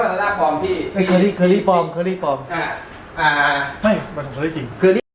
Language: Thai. ด้านระดับหล่อพี่ค่ะหรอไม่มันจริง